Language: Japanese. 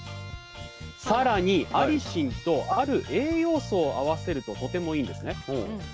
更にアリシンとある栄養素を合わせるととてもいいんですね。